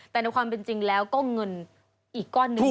แต่ในความเป็นจริงแล้วก็เงินอีกก้อนหนึ่ง